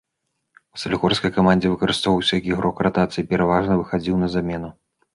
У салігорскай камандзе выкарыстоўваўся як ігрок ратацыі, пераважна выхадзіў на замену.